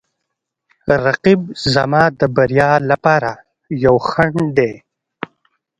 رقیب زما د بریا لپاره یو خنډ دی